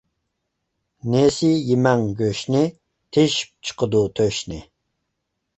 نېسى يېمەڭ گۆشنى، تېشىپ چىقىدۇ تۆشنى.